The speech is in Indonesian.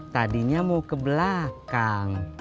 tadinya mau ke belakang